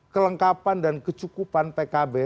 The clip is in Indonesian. kelengkapan dan kecukupan pkb